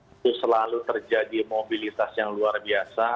itu selalu terjadi mobilitas yang luar biasa